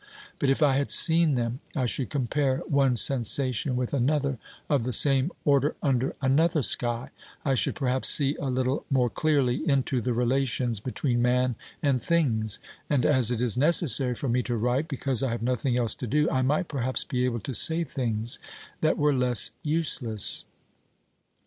But if I had seen them, I should compare one sensation with another of the same order under another sky; I should perhaps see a little more clearly into the relations between man and things, and, as it is necessary for me to write because I have nothing else to do, I might perhaps be able to say things that were less useless.